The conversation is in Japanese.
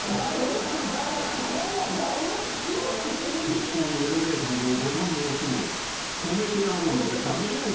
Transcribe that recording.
［必死にエレベーターのボタンを押すも止めてあるので脱出できず］